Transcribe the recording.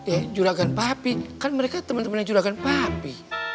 eh juragan papi kan mereka temen temennya juragan papi